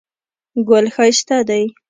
ګل ښایسته دی